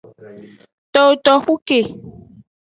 Towo toxu ke.